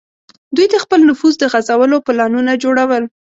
دوی د خپل نفوذ د غځولو پلانونه جوړول.